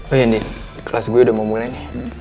oh iya nih kelas gue udah mau mulai nih